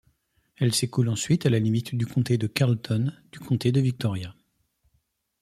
Elle s'écoule ensuite à la limite du comté de Carleton du comté de Victoria.